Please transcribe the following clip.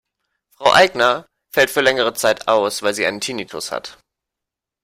Frau Aigner fällt für längere Zeit aus, weil sie einen Tinnitus hat.